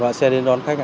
vâng xe đến đón khách ạ